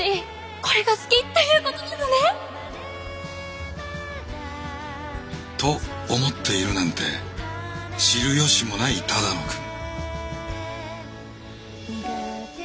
「これが好きっていうことなのね！」。と思っているなんて知る由もない只野くん。